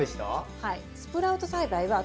はい。